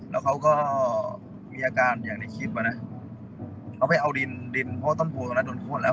แล้วเขาก็มีอาการเป็นอย่างในคริปเนี่ยก็ไปเอาดินเดียวถ้ามักว่านั้นขูดแล้ว